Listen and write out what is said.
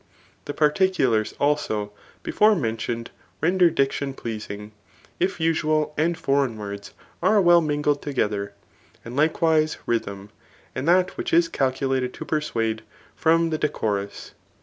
The particulars, also, be fore mentioned, render diction pleasing, if usual and fo reign words are well mingled together, and likewise rythm, and that which is calculated to persuade from the decorous.